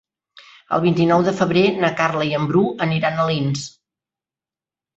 El vint-i-nou de febrer na Carla i en Bru aniran a Alins.